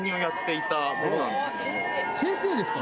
先生ですか？